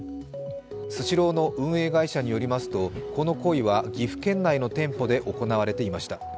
スシローの運営会社によりますと、この行為は岐阜県内の店舗で行われていました。